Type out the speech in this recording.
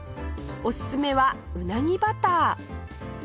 おすすめはうなぎバター